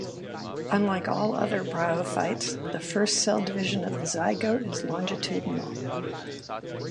Unlike all other bryophytes, the first cell division of the zygote is longitudinal.